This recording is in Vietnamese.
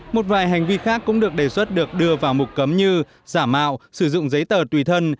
một vài hành vi khác cũng được đề xuất được đưa vào mục cấm như giả mạo sử dụng giấy tờ tùy thân